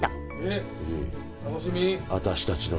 楽しみ！